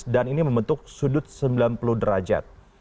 dan ini membentuk sudut sembilan puluh derajat